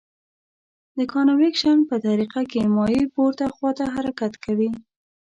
د کانویکشن په طریقه کې مایع پورته خواته حرکت کوي.